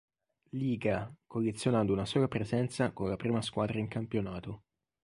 Līga, collezionando una sola presenza con la prima squadra in campionato.